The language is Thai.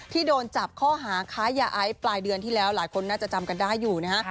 โดนจับข้อหาค้ายาไอปลายเดือนที่แล้วหลายคนน่าจะจำกันได้อยู่นะฮะ